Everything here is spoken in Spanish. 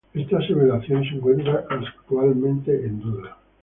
Esta aseveración se encuentra actualmente en duda.